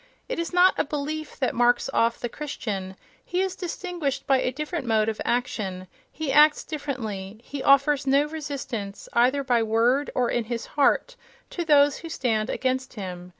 It is not a "belief" that marks off the Christian; he is distinguished by a different mode of action; he acts differently. He offers no resistance, either by word or in his heart, to those who stand against him.